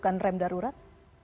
dan berlakukan rem darurat